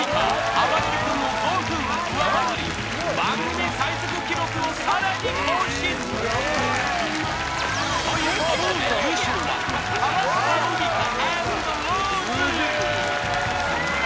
あばれる君を５分上回り番組最速記録をさらに更新！ということでイエーイ！